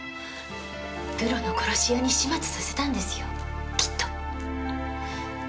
プロの殺し屋に始末させたんですよきっと！